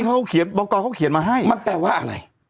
เขาเขียนบอกกรเขาเขียนมาให้มันแปลว่าอะไร